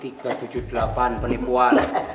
tiga ratus tujuh puluh delapan penipuan